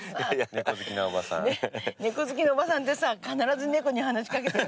猫好きのおばさんってさ必ず猫に話し掛けてるよね。